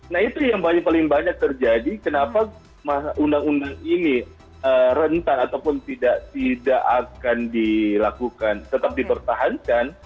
nah itu yang paling banyak terjadi kenapa undang undang ini rentan ataupun tidak akan dilakukan tetap dipertahankan